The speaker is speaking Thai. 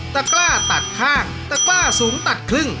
กล้าตัดข้างตะกล้าสูงตัดครึ่ง